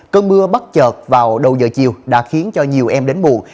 cơn mưa bất chợt vào đầu giờ chiều đã khiến cho nhiều em đến buồn